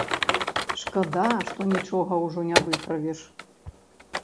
Шкада, што нічога ўжо не выправіш.